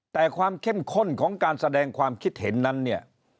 แต่ความเข้มข้นของการแสดงความคิดเห็นนั้นเนี่ย